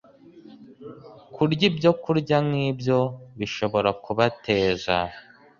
Kurya ibyokurya nnk’ibyo bishobora kubateza